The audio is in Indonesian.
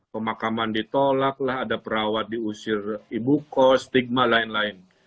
pemakaman ditolak lah ada perawat diusir ibukos stigma lain lain